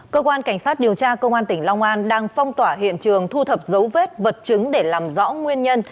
cơ quan cảnh sát điều tra công an tỉnh long an đang phong tỏa hiện trường thu thập dấu vết vật chứng để làm rõ nguyên nhân